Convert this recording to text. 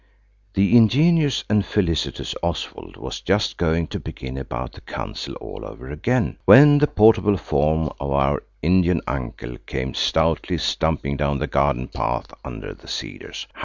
The ingenious and felicitous Oswald was just going to begin about the council all over again, when the portable form of our Indian uncle came stoutly stumping down the garden path under the cedars.